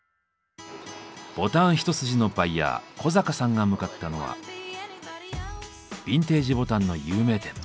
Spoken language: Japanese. ボタン一筋のバイヤー小坂さんが向かったのはビンテージボタンの有名店。